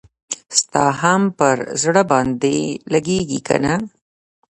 ستا هم پر زړه باندي لګیږي کنه؟